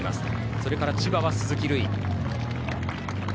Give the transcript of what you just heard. それから千葉は鈴木琉胤。